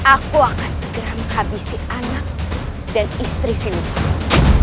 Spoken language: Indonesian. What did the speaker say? aku akan segera menghabisi anak dan istri silika